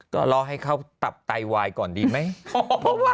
ก็รอให้เขาตับไตวายก่อนดีไหม